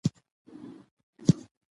په ژبه کښي بدلون د ټولني د بدلون هنداره ده.